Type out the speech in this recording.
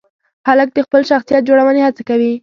هلک د خپل شخصیت جوړونې هڅه کوي.